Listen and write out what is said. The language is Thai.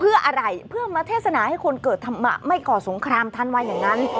เพื่ออะไรเพื่อมาเทศนาให้คนเกิดธรรมะไม่ก่อสงครามท่านว่าอย่างนั้น